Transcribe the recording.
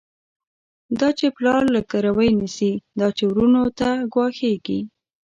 دا چی پلار له ګروی نيسی، دا چی وروڼو ته ګواښيږی